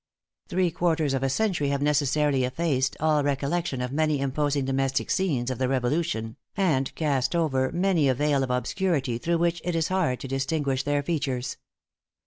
Three quarters of a century have necessarily effaced all recollection of many imposing domestic scenes of the Revolution, and cast over many a veil of obscurity through which it is hard to distinguish their features.